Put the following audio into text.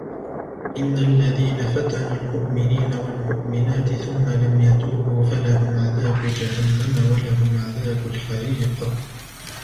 إِنَّ الَّذِينَ فَتَنُوا الْمُؤْمِنِينَ وَالْمُؤْمِنَاتِ ثُمَّ لَمْ يَتُوبُوا فَلَهُمْ عَذَابُ جَهَنَّمَ وَلَهُمْ عَذَابُ الْحَرِيقِ